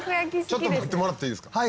「ちょっと待ってもらっていいですか？」